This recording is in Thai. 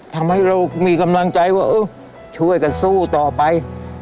ทำให้เรามีกำลังใจว่าเออช่วยกันสู้ต่อไป